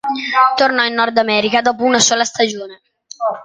Tornò in Nord America dopo una sola stagione.